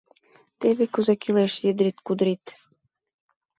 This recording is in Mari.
— Теве кузе кӱлеш, едрит-кудрит!